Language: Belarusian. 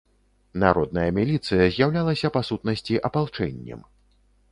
Народная міліцыя з'яўлялася, па сутнасці, апалчэннем.